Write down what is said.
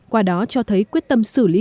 qua đó cho thấy quyết tâm xử lý